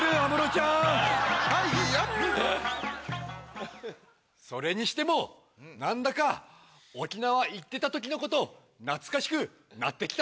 ハイヤそれにしても何だか沖縄行ってた時のこと懐かしくなって来たさ！